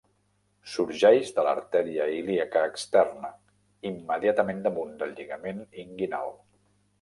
Sorgeix de l'artèria ilíaca externa, immediatament damunt del lligament inguinal.